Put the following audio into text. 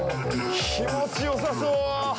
気持ちよさそう！